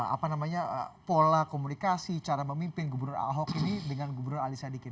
apa namanya pola komunikasi cara memimpin gubernur ahok ini dengan gubernur ali sadikin